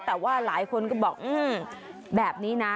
แต่ว่าหลายคนก็บอกแบบนี้นะ